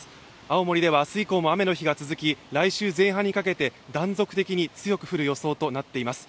青森では明日以降も雨の日が続き来週前半にかけて断続的に強く降る予想となっています。